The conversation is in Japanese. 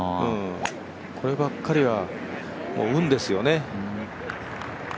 こればっかりは運ですよね。